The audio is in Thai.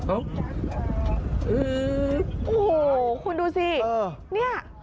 โอ้โหคุณดูสิเนี่ย